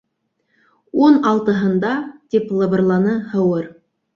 —Ун алтыһында, —тип лыбырланы һыуыр.